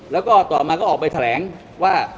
แล้วก็ต่อมาก็ออกไปแถลงว่า